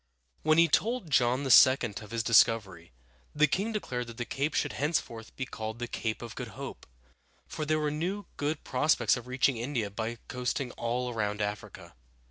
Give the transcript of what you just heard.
When he told John II. of his discovery, the king declared that the cape should henceforth be called the Cape of Good Hope, for there were now good prospects of reaching India by coasting all around Africa.